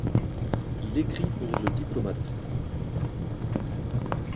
Il écrit pour The Diplomat.